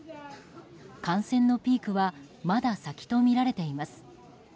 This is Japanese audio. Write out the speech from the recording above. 感染のピークはまだ先とみられています。